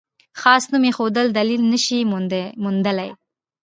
خاص نوم ایښودل دلیل نه شي موندلای.